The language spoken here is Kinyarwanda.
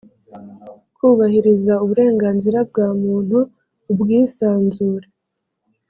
kubahiriza uburenganzira bwa muntu ubwisanzure